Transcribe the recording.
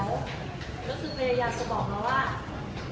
ก็คือเรียยะจะบอกแล้วว่า